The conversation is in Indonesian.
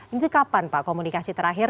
ini kapan pak komunikasi terakhir